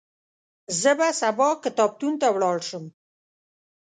زه به سبا کتابتون ته ولاړ شم.